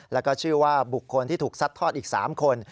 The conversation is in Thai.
แล้วก็ชื่อว่าบุคคลที่ถูกซัดทอดอีก๓คน